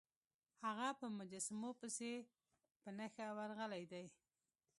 هغه په مجسمو پسې په نښه ورغلی دی.